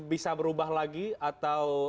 bisa berubah lagi atau